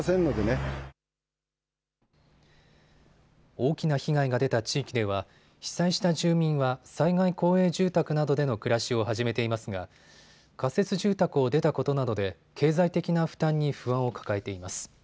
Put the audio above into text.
大きな被害が出た地域では被災した住民は災害公営住宅などでの暮らしを始めていますが仮設住宅を出たことなどで経済的な負担に不安を抱えています。